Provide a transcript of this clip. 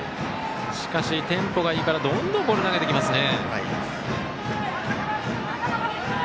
しかし、テンポがいいからどんどんボールを投げてきますね。